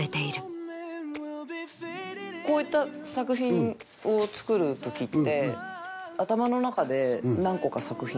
こういった作品を作るときって。